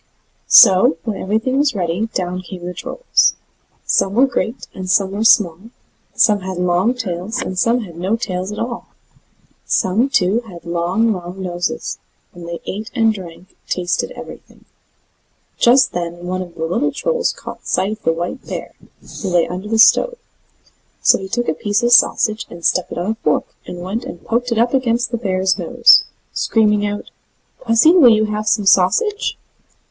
So, when everything was ready, down came the Trolls. Some were great, and some were small; some had long tails, and some had no tails at all; some, too, had long, long noses; and they ate and drank, and tasted everything. Just then one of the little Trolls caught sight of the white bear, who lay under the stove; so he took a piece of sausage and stuck it on a fork, and went and poked it up against the bear's nose, screaming out: "Pussy, will you have some sausage?"